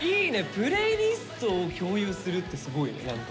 プレイリストを共有するってすごい何か。